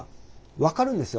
分かるんですよ。